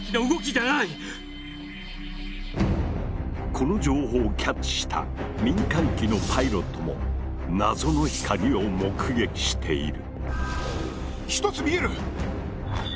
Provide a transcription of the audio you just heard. この情報をキャッチした民間機のパイロットも謎の光を目撃している。